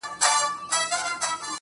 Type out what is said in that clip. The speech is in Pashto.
دغه د اور ځنځير ناځوانه ځنځير.